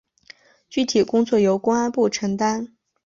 具体工作由公安部承担。